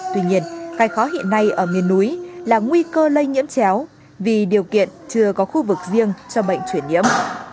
tuy nhiên cái khó hiện nay ở miền núi là nguy cơ lây nhiễm chéo vì điều kiện chưa có khu vực riêng cho bệnh chuyển nhiễm